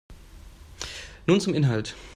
Nun zum Inhalt.